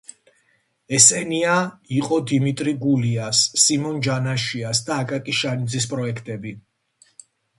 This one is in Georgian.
ესენია იყო დიმიტრი გულიას, სიმონ ჯანაშიას და აკაკი შანიძის პროექტები.